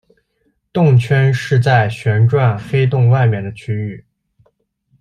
动圈是在旋转黑洞外面的区域。